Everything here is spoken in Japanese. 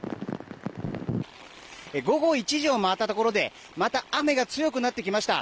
午後１時を回ったところでまた雨が強くなってきました。